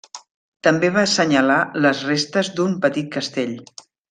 També va assenyalar les restes d'un petit castell.